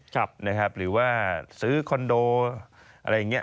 หรือว่าซื้อคอนโดอะไรอย่างนี้